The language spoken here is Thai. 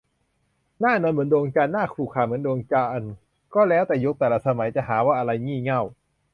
หน้านวลเหมือนดวงจันทร์ หน้าขรุขระเหมือนดวงจันทร์ ก็แล้วแต่ยุค แต่ละสมัย จะหาว่าอะไร "งี่เง่า"